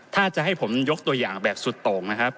ถ้าจะให้ผมยกตัวอย่างแบบสุดโต่งนะครับ